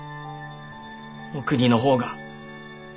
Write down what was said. お国の方が。